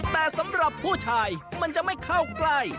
แต่สำหรับผู้ชายมันจะไม่เข้าใกล้